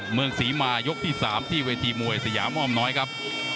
เมืองศรีมายกที่๓ที่เวทีมวยสยามอ้อมน้อยครับ